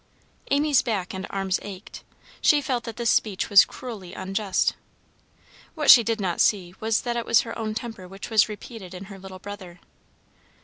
Amy's back and arms ached; she felt that this speech was cruelly unjust. What she did not see was that it was her own temper which was repeated in her little brother.